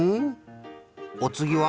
おつぎは？